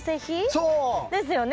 そう！ですよね。